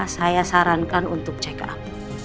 saya sarankan untuk check up